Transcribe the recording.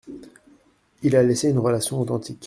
Il a laissé une relation authentique.